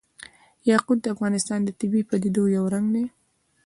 یاقوت د افغانستان د طبیعي پدیدو یو رنګ دی.